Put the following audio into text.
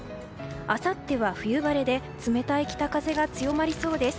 あさっては冬晴れで冷たい北風が強まりそうです。